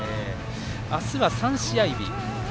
あすは３試合日。